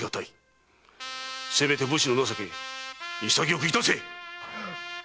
せめて武士の情け潔くいたせ！